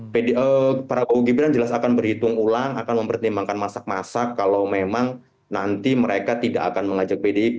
pak prabowo gibran jelas akan berhitung ulang akan mempertimbangkan masak masak kalau memang nanti mereka tidak akan mengajak pdip